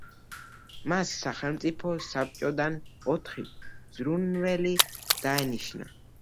მას სახელმწიფო საბჭოდან ოთხი მზრუნველი დაენიშნა.